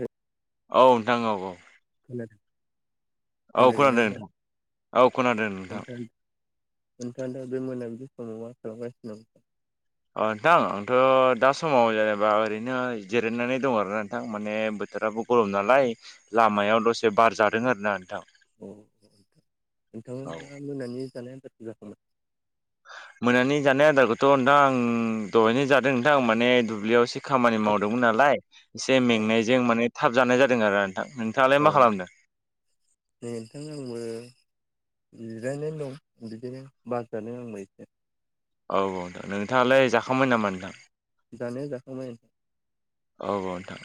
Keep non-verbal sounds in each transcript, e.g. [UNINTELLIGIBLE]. ओ औ नोंथां औ औ खोनादों औ खोनादोंनाय खोनादों नोंथां औ खोनादों नोंथां नोंदां [UNINTELLIGIBLE] नोंथां दा बे मोनाबिलि समाव मा खालामगासिनो दं? अ 'नोंथां आंथ' दा समाव जेनेबा ओरैनो जिरायनानै दं आरो नोंथां माने बोथोराबो गरम नालाय लामायाव दसे बार जादों आरोना नोंथां। अ औ नोंथाङा मोनानि जानाय आदार जाखांबाय? मोनानि जानाय आदारखौथ' नोंथां आं दहायनो जादों नोंथां माने दुब्लियाव इसे खामानि मावदोंमोन नालाय एसे औ मेंनायजों माने थाब जानाय जादों आरो नोंथां नोंथाङालाय औ मा खालामदों ए नोंथां आंबो जिरायनानै दं बिदिनो बार जादों आंबो एसे औ औ दा नोंथाङालाय जाखांबाय नामा नोंथां। जानाया जाखांबाय औ औ नोंथां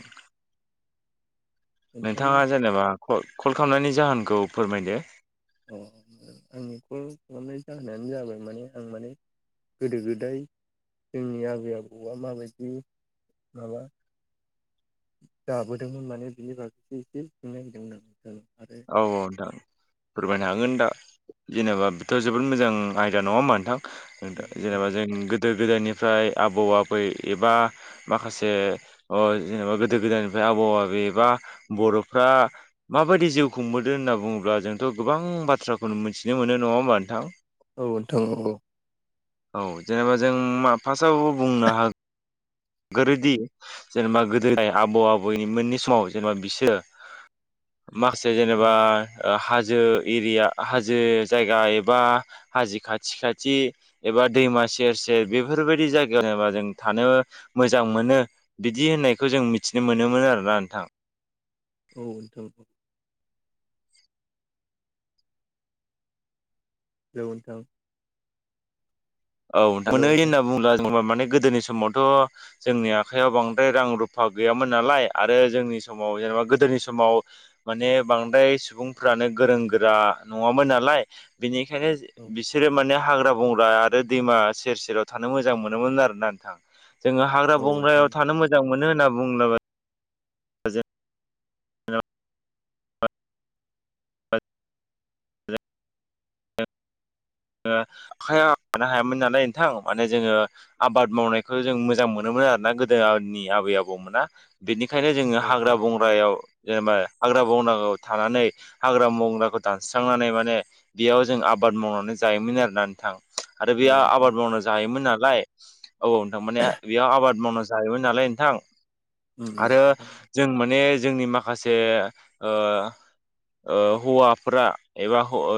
नोंथांना नोंथाङा जेनेबा क-कल खालामनायनि जाहोनखौ फोरमायदो। अ आंनि खल खालामनाय जाहोनानो जाबाय माने आं माने गोदो गोदाय जोंनि आबै-आबौआ माबायदि माबा जाबोदोंमोन माने बिनि बागैसो एसे सोंनो नागिरदोंमोन आ सार आरो औ औ नोंथां फोरमायनो हागोन दा जेनेबा बेथ' जोबोद मोजां आयदा नङा होनबा नोंथां। नोंथांनाव नोंथां जेनेबा आरो जों गोदो-गोदायनिफ्राय आबौ-आबै एबा माखासे ओ जेनेबा गोदो-गोदायनिफ्राय आबै-आबौ बा बर'फ्रा माबायदि जिउ खुंबोदों होनना बुङोब्ला जोंथ' गोबां बाथ्राखौ मोनथिनो मोनो नङा होमबा नोंथां। औ नोंथां औ औ जेनेबा जों मा फार्स्टआवबो बुंनो हा गोरोदि जेनेबा गोदोहाय आबौ आबौनि मोननि समाव जेनेबा बिसोरो माखासे जेनेबा औ ओ हाजो एरिया हाजो जायगा एबा हाजो खाथि खाथि एबा दैमा सेर सेर बेफोरबायदि जायगायाव बा जों थानो मोजां मोनो बिदि होननायखौ जों मिथिनो मोनोमोन आरोना नोंथां औ नोंथां औ हेलौ नोंथां। औ नोंथां मोनै होनना बुंङोब्ला माने गोदोनि समावथ' जोंनि आखाइयाव बांद्राय रां रुफा गैयामोन नालाय आरो जोंनि समाव जेनबा गोदोनि समाव माने बांद्राय सुबुंफ्रानो गोरों गोरा नङामोन नालाय बिनिख औ बिसोरो माने हाग्रा बंग्राद दो दैमा सेर सेराव थानो मोजां मोनोमोन आरो ना नोंथां जोङो हाग्रा औ नोंथां बंग्रायाव थानो मोज जां मोनो होनना बुंब्लाबो [UNINTELLIGIBLE] ओ आखाया मानो हायामोन नालाय नोंथां माने जोङो आबाद मावनायखौ जों मोजां मोनोमोन आरोना गोदोनि आबै-आबौमोना बेनिखायनो जोङो औ औ हाग्रा बंग्रायाव जेनेबा हाग्रा बंग्रा थानानै हाग्रा बंग्राखौ दानस्रांनानै माने बेयाव जों आबाद मावनानै जायोमोन आरोना नोंथां आरो नोंथां औ बेयाव नोंथां आबाद मावनानै जायोमोन नालाय औ नोंथां माने बेयाव आबाद मावनानै जायोमोन नालाय नोंथां उम आरो जों माने जोंनि माखासे ओ ओ हौवाफ्रा एबा हौ ओ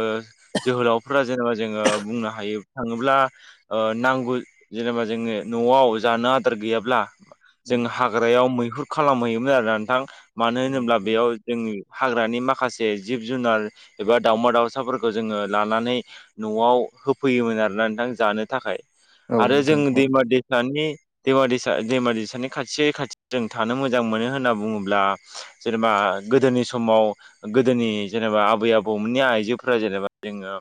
जोहोलावफ्रा जोङो बुंनो हायोब थाङोब्ला ओ नांगौ जेनेबा जोङो न'आव जानो आदार गैयाब्ला जों हाग्रायाव मैहुर खालामहैयोमोन आरोना नोंथां मानो उम होनोब्ला नोंथां बेयाव जोंनि हाग्रानि माखासे जिब जुनार एबा दावमा दाउसाफोरखौ जोङो लानानै न'आव होफैयोमोन आरोना नोंथां जानो थाखाय आरो जों उम दैमा दै सानि दैमा दैसा दैमा दैसानि खाथि खाथि जों थानो मोजां मोनो होनना बुङोब्ला जेनेबा गोदोनि समाव गोदोनि जेनेबा आबै आबौमोननि आइजोफोरा जेनेबा जोङो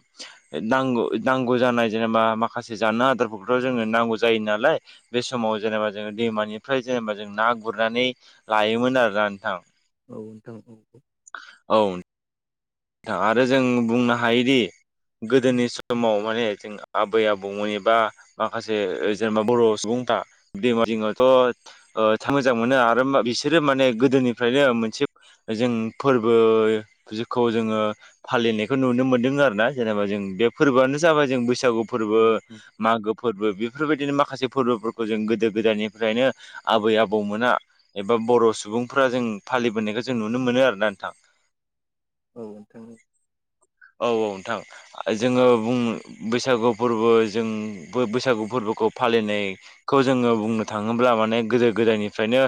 नांगौ नांगौ जानाय जेनेबा माखासे जानो आदारफोरखौथ' जोङो नांगौ जायो नालाय। बे समाव जेनेबा जोङो दैमानिफ्राय जेनेबा जों ना गुरनानै लायोमोन आरोना नोंथां। औ नोंथां औ औ। औ। थां आरो जों बुंनो हायोदि गोदोनि समाव माने जों आबै आबौमोन एबा माखासे जेनेबा बर' सुबुंफ्रा दैमा जिंआवथ' ओ था मोजां मोनो आरो बिसोरो माने गोदोनिफ्रायनो मोनसे जों फोरबो जोख खौ जोङो फालिनायखौ नुनो मोन्दों आरोना जेनेबा जों बे फोरबोआनो जाबाय जों बैसागु औ फोरबो। नोंथां मागो फोरबो बेफोरबायदिनो माखासे फोरबोफोरखौ जों गोदो गोदायनिफ्रायनो आबै आबौमोना एबा बर' सुबुंफोरा जों फालिबोनायखौ जों नुनो मोनो आरोना नोंथां। औ नोंथां औ। औ औ नोंथां जोङो बुं बैसागुआब फोरबो जों बैसागु फोरबोखौ फालिनाय खौ जोङो बुंनो थाङोब्ला माने गोदो गोदायनिफ्रायनो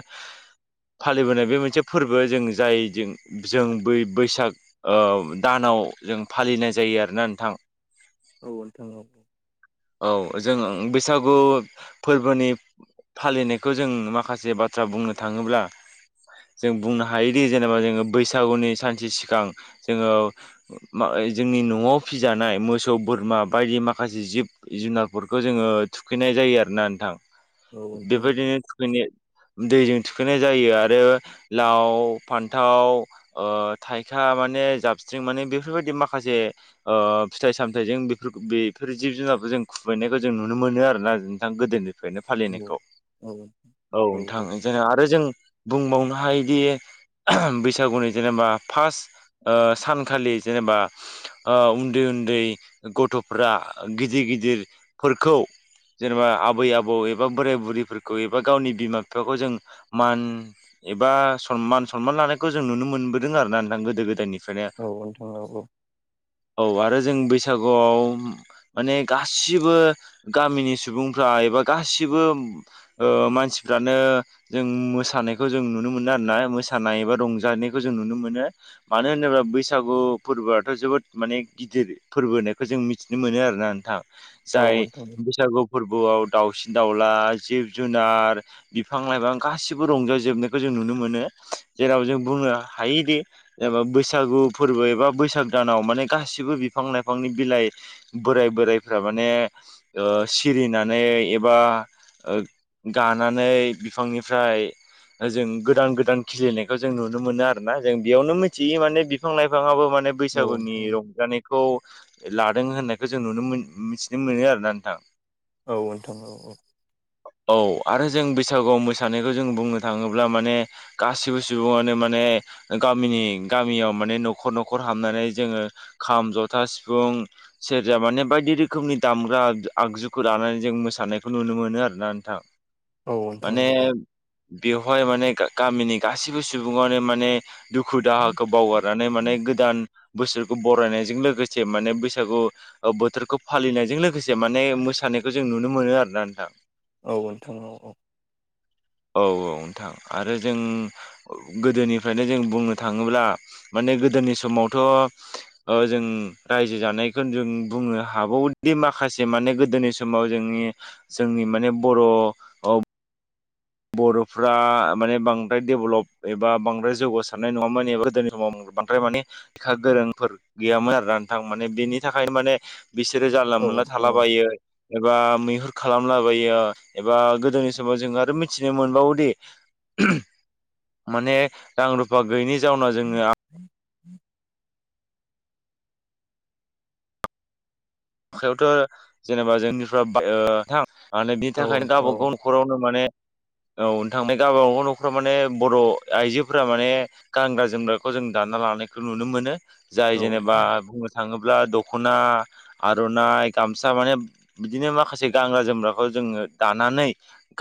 फालिबोनाय बे मोनसे फोरबो जों जाय जों जों बै बैसाग ओ दानाव जों फालिनाय जायो आरोना नोंथां। औ नोंथां औ। औ जों बैसागु फोरबोनिफ फालिनायखो जों माखासे बाथ्रा बुंनो थाङोब्ला जों बुंनो हायोदि जेनेबा जोङो बैसागुनि सानसे सिगां जोङो जोंनि न'आव फिजानाय मोसौ बोरमा बायदि माखासे जिब जुनारफोरखौ जोङो थुखैनाय जायो आरोना नोंथां औ नोंथां बेबायदिनो थुखैना दैजों थुखैनाय जायो आरो लाव फान्थाव ओ थाइखा माने जाबस्रिं माने बेफोरबायदि माखासे ओ फिथाइ सामथाइजों बेफोर बेफोर जिब जुनार, जों खुबैनायखौ जों नुनो मोनो आरोना नोंथां गोदोनो। बेनो औ फालिनायखौ औ नोंथां औ औ नोंथां जोङा आरो जों बुंबावनो हायोदि बैसागुनि जेनेबा फार्स्ट ओ सानखालि जेनेबा ओ उन्दै उन्दै गथ'फ्रा गिदिर गिदिरफोरखौ जेनेबा आबै आबौ एबा बोराय बुरैफोरखौ एबा गावनि बिमा बिफाखौ जों मान एबा सनमान सनमान लानायखौ जों नुनो मोनबोदों आरोना नोंथां गोदो गोदायनिफ औ नोंथां औ औ। औ आरो जों बैसागुआव माने गासिबो गामिनि सुबुंफ्रा एबा गासिबो ओ मानसिफ्रानो जों मोसानायखौ जों नुनो मोनो आरोना मोसानाय एबा रंजानायखौ जों नुनो मोनो। मानो होनोब्ला बैसागु फोरबोआथ' जोबोद माने गिदिर फोरबो होननायखौ जों मिथिनो मोनो आरो। नोंथां औ जाय नोंथां औ बैसागु फोरबोआव दाउसिन दाउला, जिब जुनार बिफां लाइफां गासिबो रंजाजोबनायखौ जों नुनो मोनो जेराव जों बुंनो हायोदि जेनेबा बैसागु फोरबो एबा बैसाग दानाव माने गासिबो बिफां लाइफांनि बिलाइ बोराय बोरायफ्रा माने ओ सिरिनानै एबा ओ गानानै बिफांनिफ्राय जों गोदान गोदान खिलिनायखौ जों नुनो मोनो आरोना जों बेयावनो मिथियो माने बिफां लाइफाङाबो माने बैसागुनि नोंथां रंजानायखौ लादों होननायखो जों नुनो मोन मिथिनो मोनो आरोना नोंथां। औ नोंथां औ औ। औ आरो जों बैसागुआव मोसानायखौ जों बुंनो थाङोब्ला माने गासिबो सुबुङानो माने गामिनि गामियाव माने नखर नखर हाबनानै जोङो खाम जथा सिफुं सेरजा माने बायदि रोखोमनि दामग्रा आगजुखौ लानानै जों मोसानायखौ नुनो मोनो आरोना नोंथां। औ नोंथां माने बेवहाय माने गामिनि गासिबो सुबुङानो माने दुखु दाहाखौ बावगारनानै माने गोदान बोसोरखौ बरायनायजों लोगोसे माने बैसागु बोथोरखौ फालिनायजों लोगोसे माने मोसानायखौ जों नुनो मोनो आरोना नोंथां। औ नोंथां औ औ औ औ नोंथां आरो जों गोदोनिफ्रायनो जों बुंनो थाङोब्ला माने गोदोनि समावथ' ओ जों रायजो जानाय बेखौ जों बुंनो हाबावोदि माखासे माने गोदोनि समाव जोंनि जोंनि माने बर' बर'फ्रा माने बांद्राय डेभलप एबा बांद्राय जौगासारनाय नङामोन बा गोदोनि समाव बांद्राय माने लेखा गोरोंफोर गैयामोन आरो नोंथां माने बेनि थाखायनो माने बिसोरो जानला औ नोंथां औ नोंथां औ मोनला नोंथां थालाबायो एबा मैहुर खालामलाबायो एबा गोदोनि समाव जों आरो मि मिथिनो मोनबावोदि माने रां रुफा गैयैनि जाउनाव जोङो [INAUDIBLE] आखायावथ' जेनेबा जोंनिफ्रा ओ नोंथां ओ बिनि थाखायनो गावबा गावनि न'खरावनो माने औ नोंथां गाबागाव न'खराव माने बर' आइजोफोरा माने गानग्रा जोमग्राखौ जों दानना लानायखौ नुनो मोनो जाय जेनेबा थाङोब्ला दख'ना आर'नाइ गामसा माने बिदिनो माखासे गानग्रा जोमग्राखौ जोङो दानानै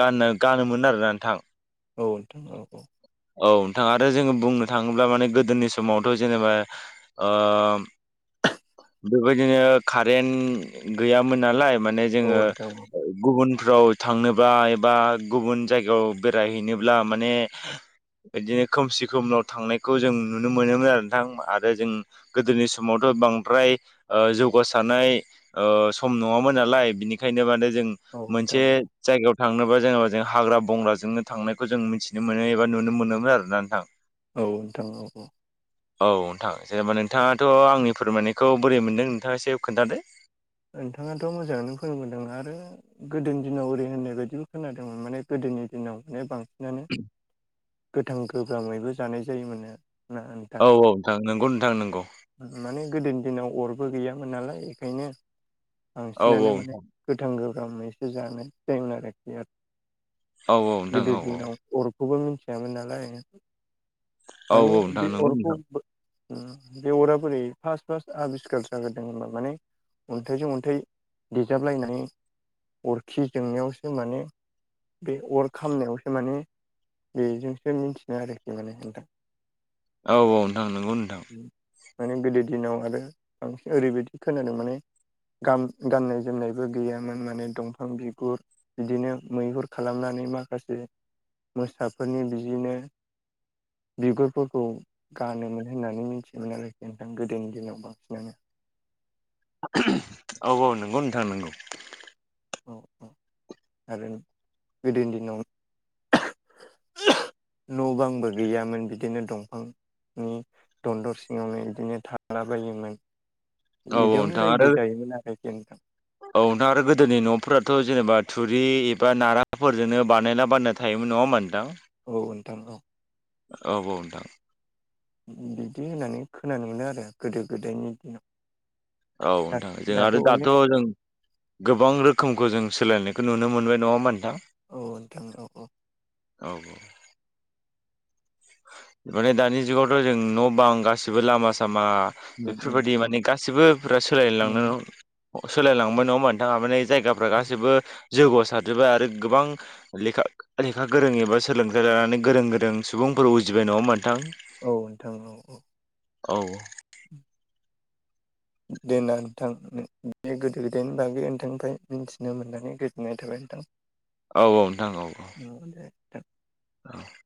गाननो-गानोमोन आरोना नोंथां। औ नोंथां औ औ। औ नोंथाङा आरो जोङो बुंनो थाङोब्ला माने गोदोनि समावथ' जेनेबा ओ‌ बेबायदिनो कारेन्ट गैयामोन नालाय माने जोङो गुबुनफ्राव थांनोबा एबा गुबुन जायगायाव बेरायहैनोब्ला माने बिदिनो खोमसि खोमलाव थांनायखौ जों नुनो मोनोमोन आरो नोंथां आरो जों गोदोनि समावथ' बांद्राय ओ जौ गस सानाय ओ सम नङामोन नालाय बिनिखायनो माने जों मोनसे औ जायगायाव थांनोबा जेनेबा जों हाग्रा बंग्राजोंनो थांनायखौ जों मिथिनो मोनो एबा नुनो मोनोमोन आरोना नोंथां। औ नोंथां औ औ। औ नोंथां जेनेबा नोंथाङाथ' आंनि फोरमायनायखौ बोरै मोनदों नोंथाङा एसे खोन्थादो? नोंथाङाथ' मोजाङैनो फोरोंबोदों आरो गोदोनि दिनाव ओरै होननाय बायदिब्ला खोनादोंमोन माने गोदोनि दिनाव माने बांसिनानो [INAUDIBLE] गोथां गोब्रामैबो जानाय जायोमोनो। औ औ नोंथां नोंगौ नोंथां नोंगौ। माने गोदोनि दिनाव अरबो गैयामोन नालाय बेखायनो औ औ बांसिनानो माने नोंथां गोथां गोब्रामैसो जानो जायोमोन आरो औ औ नोंथां औ गोदो दिनाव अरखौबो मिथियामोन नालाय औ माने औ बे नोंथां नंगौ अरखौ नोंथां बे अरा बोरै फास्ट फास्ट आबिस्कार जाग्रोदों माने अन्थाइजों अन्थाइ देजाबलायनानै अरखि जोंनायावसो माने बे अर खामनायावसो माने बेजोंसो मिथिनो आरोखि माने नोंथां। औ औ नोंथां नंगौ नोंथां। माने गोदो दिनाव आरो बांसिन ओरैबायदि खोनादों माने गान-गाननाय जोमनायबो गैयामोन माने दंफां बिगुर बिदिनो मैहुर खालामनानै माखासे मोसाफोरनि बिदिनो बिगुरफोरखौ गानोमोन होननानै मिथियोमोन आरोखि नोंथां गोदोनि दिनाव बांसिनानो। औ औ नंगौ नोंथां नोंगौ। औ औ आरो गोदोनि दिनाव [UNINTELLIGIBLE] न' बांबो गैयामोन बिदिनो दंफां नि दन्दर सिङावनो बिदिनो थाला बायोमोन। औ बिदियावनो नोंथां आरो रायजो जायोमोन आरो गोदो नोंथां। औ दा आरो गोदोनि न'फोराथ' जेनेबा थुरि एबा नाराफोरजोंनो बानायला थायोमोन नङा होमबा नोंथां? औ नोंथां औ। औ औ नोंथां। बिदि होननानै खोनानो मोनो आरो गोदो गोदायनि दिनाव। औ दा नोंथां जों आरो दाथ' अनेक जों गोबां रोखोमखौ जों सोलायनायखौ नुनो मोनबाय नङा होनबा नोंथां। औ नोंथां औ औ। औ औ माने दानि जुगावथ' जों न' बां गासिबो लामा सामा बेफोरबायदि माने गासिबोफोरा माने सोलायलांनो- सोलायलांबाय नङा होनबा नोंथां माने जायगाफ्रा गासैबो जौगासारजोब्बाय आरो गोबां लेखा लेखा गोरों एबा सोलोंथाइ लानानै गोरों गोरों सुबुंफोर उजिबाय नङा होनबा नोंथां। औ नोंथां औ औ औ [INAUDIBLE] दे ना नोंथां नो बे गोदो गोदायनि बागै नोंथांनिफ्राय मिथिनो मोननानै गोजोननाय थाबाय नोंथां। [INAUDIBLE] औ औ नोंथां औ। उम दे [INAUDIBLE]